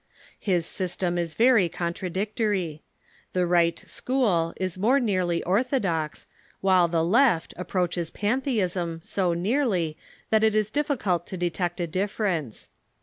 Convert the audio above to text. His system is very contradictory. The Right school is more nearly orthodox, while the Left ap proaches Pantheism so nearly that it is difficult to detect a dif ference.